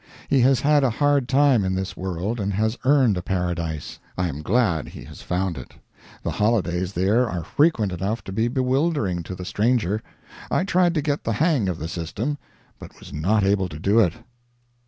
He has had a hard time in this world, and has earned a paradise. I am glad he has found it. The holidays there are frequent enough to be bewildering to the stranger. I tried to get the hang of the system, but was not able to do it.